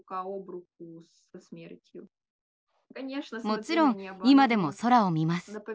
もちろん今でも空を見ます。